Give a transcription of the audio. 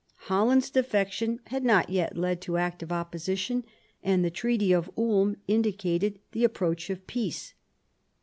Holland's defection had not yet led to active opposition, and the Treaty of Ulm indicated the approach of peace.